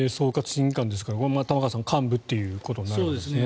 審議官ですから玉川さん、幹部ということになるんですね。